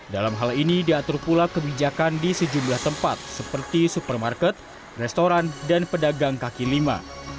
dalam hal ini diatur pula kebijakan di sejumlah tempat seperti supermarket restoran dan pedagang kaki lima